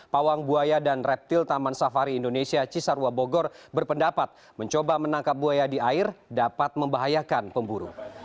pawang buaya dan reptil taman safari indonesia cisarwa bogor berpendapat mencoba menangkap buaya di air dapat membahayakan pemburu